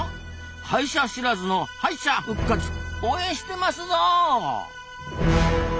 歯医者知らずの敗者復活応援してますぞ！